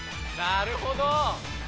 なるほど！